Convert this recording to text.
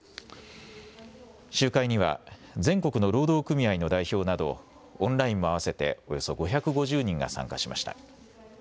集会には全国の労働組合の代表などオンラインも合わせておよそ５５０人が参加しました。